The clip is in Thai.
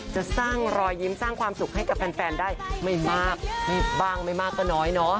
จะสร้างรอยยิ้มสร้างความสุขให้กับแฟนได้ไม่มากบ้างไม่มากก็น้อยเนาะ